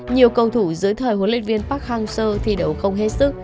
nhiều cầu thủ dưới thời huấn luyện viên park hang seo thi đấu không hết sức